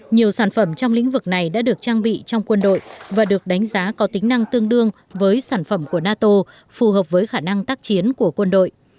nhiều sản phẩm trong lĩnh vực này đã được trang bị trong quân đội và được đánh giá có tính năng tương đương với sản phẩm của nato phù hợp với khả năng tác chiến của quân đội